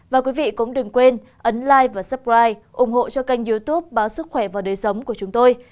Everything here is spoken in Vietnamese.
và quý vị cũng đừng quên ấn lai và suppride ủng hộ cho kênh youtube báo sức khỏe và đời sống của chúng tôi